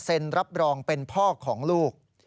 รับรองเป็นพ่อของลูก